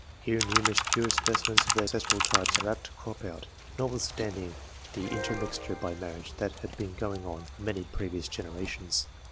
Here numerous pure specimens of their several ancestral types are apt to crop out, notwithstanding the intermixture by marriage that had been going on for many previous generations.